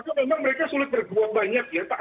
dari pergantian dana